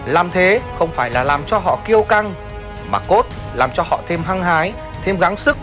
làm thế không phải là làm cho họ kêu căng mà cốt làm cho họ thêm hăng hái thêm gắng sức